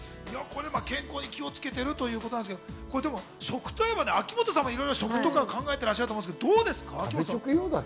健康に気をつけているということなんですけど、食といえば秋元さんも食とか考えてらっしゃると思いますけど、どうなんですか？